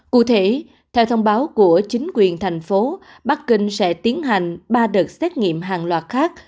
cụ thể theo thông báo của chính quyền thành phố bắc kinh sẽ tiến hành ba đợt xét nghiệm hàng loạt khác